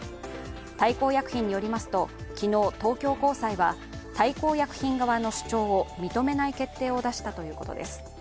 大幸薬品によりますと、昨日、東京高裁は大幸薬品側の主張を認めない決定を出したということです。